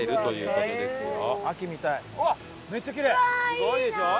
すごいでしょ？